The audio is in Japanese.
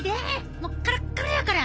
もうカラッカラやから。